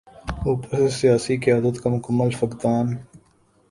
اوپر سے سیاسی قیادت کا مکمل فقدان۔